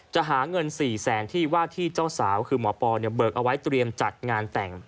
จะหาเงิน๔แสนที่ว่าที่เจ้าสาวคือหมอปอเนี่ยเบิกเอาไว้เตรียมจัดงานแต่ง